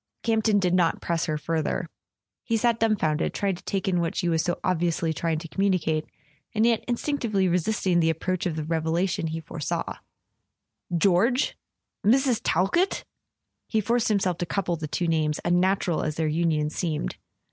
. Campton did not press her further. He sat dumb¬ founded, trying to take in what she was so obviously trying to communicate, and yet instinctively resisting the approach of the revelation he foresaw. "George— Mrs. Talkett?" He forced himself to couple the two names, unnatural as their union seemed.